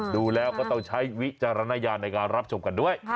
ดูแล้วก็ต้องใช้วิจารณญาณในการรับชมกันด้วย